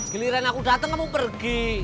geliran aku dateng kamu pergi